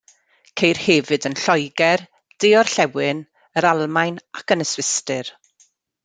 Ceir hefyd yn Lloegr, de-orllewin yr Almaen ac yn y Swistir.